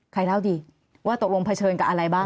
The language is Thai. เล่าดีว่าตกลงเผชิญกับอะไรบ้าง